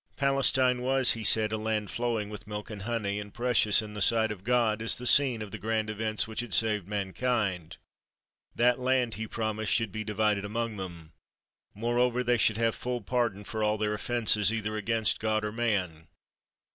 Palestine was, he said, a land flowing with milk and honey, and precious in the sight of God, as the scene of the grand events which had saved mankind. That land, he promised, should be divided among them. Moreover, they should have full pardon for all their offences, either against God or man.